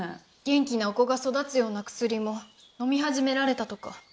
元気なお子が育つような薬も飲み始められたとか。